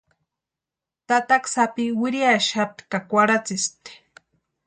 Tataka sápi wiriaxapti ka kwarhatsïspti.